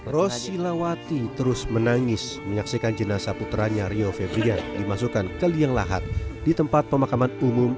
rosilawati terus menangis menyaksikan jenazah putranya rio febriat dimasukkan ke lianglahat di tempat pemakaman umum